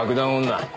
女